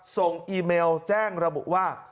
อีเมลแจ้งระบุว่า